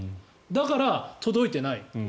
だから届いていない。